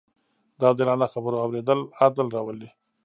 د عادلانه خبرو اورېدل عدل راولي